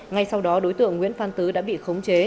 ngay sau đó đối tượng nguyễn phan tứ đã bị khống chế